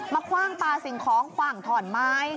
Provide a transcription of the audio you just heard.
คว่างปลาสิ่งของคว่างถอนไม้